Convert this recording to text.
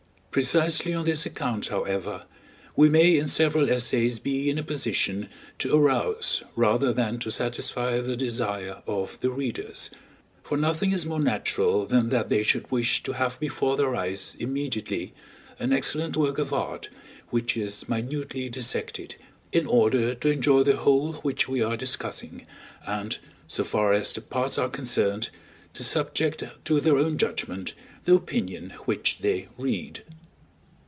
Precisely on this account, however, we may in several essays be in a position to arouse rather than to satisfy the desire of the readers; for nothing is more natural than that they should wish to have before their eyes immediately an excellent work of art which is minutely dissected, in order to enjoy the whole which we are discussing, and, so far as the parts are concerned, to subject to their own judgment the opinion which they read.